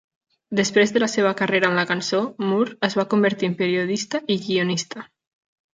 Després de la seva carrera en la cançó, Moore es va convertir en periodista i guionista.